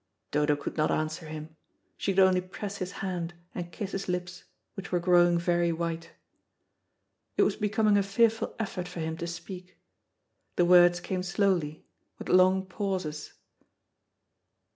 Dodo could not answer him. She could only press his hand and kiss his lips, which were growing very white. It was becoming a fearful effort for him to speak. The words came slowly with long pauses.